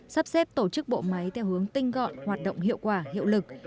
sắp xếp tổ chức bộ máy theo hướng tinh gọn hoạt động hiệu quả hiệu lực